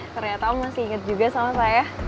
ternyata om masih inget juga sama saya